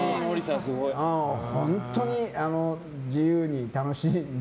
本当に自由に楽しんで。